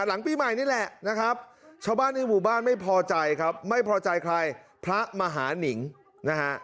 หลังปีใหม่นี่แหละนะครับชาวบ้านในหมู่บ้านไม่พอใจครับไม่พอใจใครพระมหานิงนะฮะ